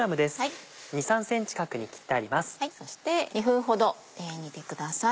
そして２分ほど煮てください。